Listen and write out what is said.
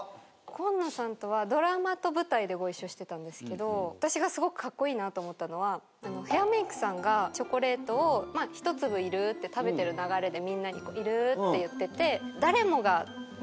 今野さんとはドラマと舞台でご一緒してたんですけど私がすごくカッコイイなと思ったのはヘアメークさんがチョコレートを１粒いる？って食べてる流れでみんなにいる？って言ってて。